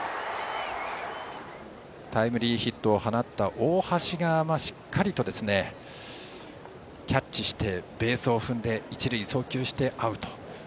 タイムリーヒットを放った大橋がしっかりとキャッチしてベースを踏んで一塁に送球してアウト。